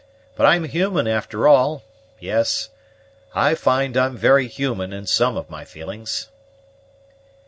But I am human after all; yes, I find I'm very human in some of my feelings."